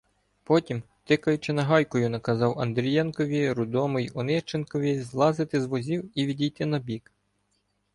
Потім, тикаючи нагайкою, наказав Андрієнкові, Рудому й Онищенкові злазити з возів і відійти набік.